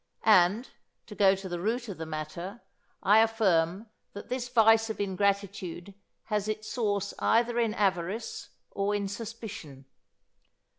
And, to go to the root of the matter, I affirm that this vice of ingratitude has its source either in avarice or in suspicion.